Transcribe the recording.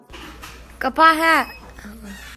Ka lung a mit ngai.